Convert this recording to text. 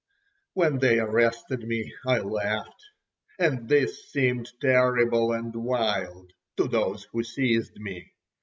When they arrested me I laughed. And this seemed terrible and wild to those who seized me.